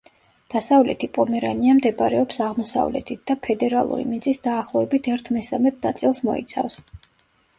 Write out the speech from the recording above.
დასავლეთი პომერანია მდებარეობს აღმოსავლეთით და ფედერალური მიწის დაახლოებით ერთ მესამედ ნაწილს მოიცავს.